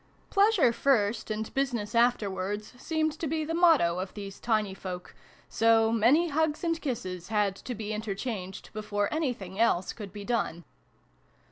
9 "Pleasure first and business afterwards" seemed to be the motto of these tiny folk, so many hugs and kisses had to be interchanged before anything else could be done.